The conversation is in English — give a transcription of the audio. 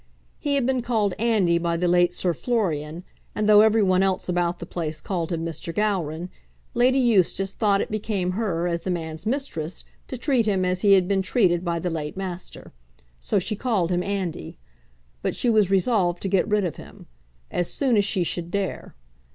He had been called Andy by the late Sir Florian, and, though every one else about the place called him Mr. Gowran, Lady Eustace thought it became her, as the man's mistress, to treat him as he had been treated by the late master. So she called him Andy. But she was resolved to get rid of him, as soon as she should dare.